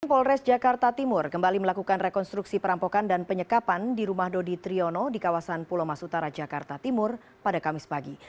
polres jakarta timur kembali melakukan rekonstruksi perampokan dan penyekapan di rumah dodi triyono di kawasan pulau mas utara jakarta timur pada kamis pagi